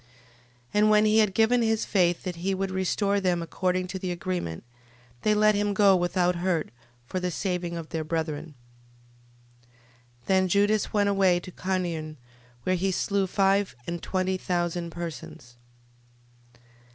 12:25. And when he had given his faith that he would restore them according to the agreement, they let him go without hurt, for the saving of their brethren. 12:26. Then Judas went away to Carnion, where he slew five and twenty thousand persons.